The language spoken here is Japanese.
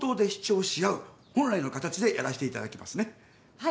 はい。